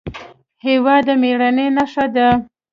هېواد د مېړانې نښه ده.